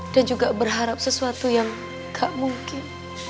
dan juga berharap sesuatu yang nggak mungkin